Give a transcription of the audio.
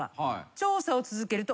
調査を続けると。